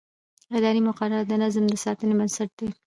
اداري مقررات د نظم د ساتنې بنسټ دي.